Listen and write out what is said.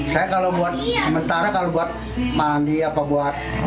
saya kalau buat sementara kalau buat mandi ini sih air pompa